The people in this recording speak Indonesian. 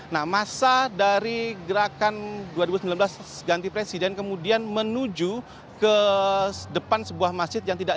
nah masa dari gerakan dua ribu sembilan belas ganti presiden kemudian menuju ke depan sebuah masjid yang tidak